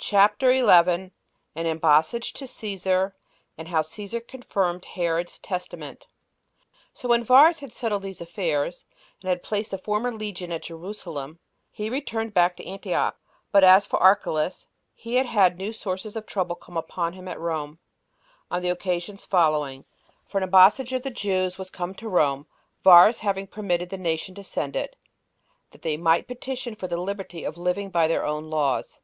CHAPTER 11. An Embassage To Cæsar; And How Cæsar Confirmed Herod's Testament. 1. So when Varus had settled these affairs, and had placed the former legion at Jerusalem, he returned back to Antioch; but as for Archelaus, he had new sources of trouble come upon him at Rome, on the occasions following: for an embassage of the Jews was come to Rome, Varus having permitted the nation to send it, that they might petition for the liberty of living by their own laws.